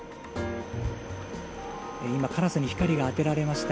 今、カラスに光が当てられました。